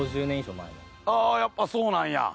あぁやっぱそうなんや。